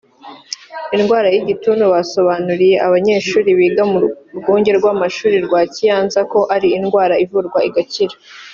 Indwara y’igituntu basobanuriye abanyeshuri biga mu rwunge rw’amashuri rwa Kiyanzi ko ari indwara ivurwa igakira